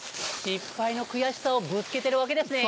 失敗の悔しさをぶつけてるわけですね。